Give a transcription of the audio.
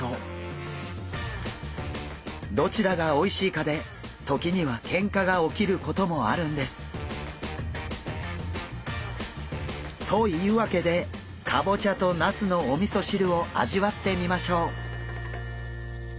どちらがおいしいかで時にはけんかが起きることもあるんです。というわけでかぼちゃとなすのおみそ汁を味わってみましょう。